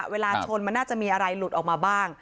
เวลาชนมันน่าจะมีอะไรหลุดออกมาบ้าง